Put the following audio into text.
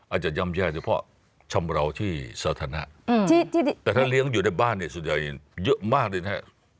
จะย่ำแย่เฉพาะชำราวที่สาธารณะแต่ถ้าเลี้ยงอยู่ในบ้านเนี่ยส่วนใหญ่เยอะมากเลยนะ